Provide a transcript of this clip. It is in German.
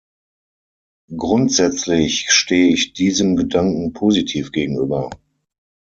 Grundsätzlich stehe ich diesem Gedanken positiv gegenüber.